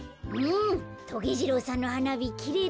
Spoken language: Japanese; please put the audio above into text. トゲ次郎さんのはなびきれいだもんね。